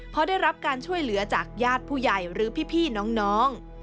พอได้รับการช่วยเหลือจากญาติผู้ใหญ่หรือพี่น้อง